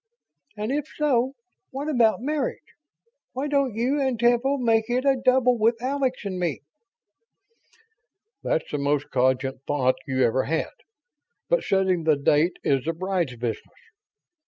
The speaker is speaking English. And if so, what about marriage? Why don't you and Temple make it a double with Alex and me?" "That's the most cogent thought you ever had, but setting the date is the bride's business."